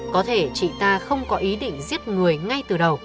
có thể chị ta không có ý định giết người ngay từ đầu